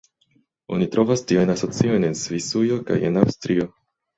Oni trovas tiajn asociojn en Svisujo kaj en Aŭstrio.